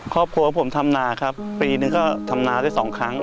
ครอบครัวผมทำนาครับปีนึงก็ทำนาได้สองครั้ง